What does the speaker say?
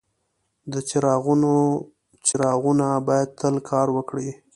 د چراغونو څراغونه باید تل کار وکړي.